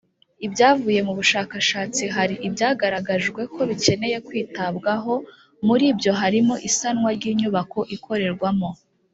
ibyavuye mu bushakashatsi hari ibyagaragajwe ko bikeneye kwitabwaho Muri ibyo harimo isanwa ry’inyubako ikorerwamo.